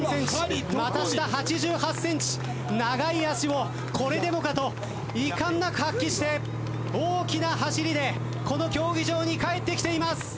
長い脚をこれでもかと遺憾なく発揮して大きな走りでこの競技場に帰ってきています。